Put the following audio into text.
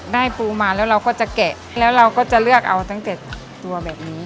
ปูมาแล้วเราก็จะแกะแล้วเราก็จะเลือกเอาตั้งแต่ตัวแบบนี้